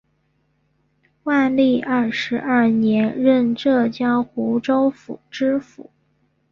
万历二十二年任浙江湖州府知府。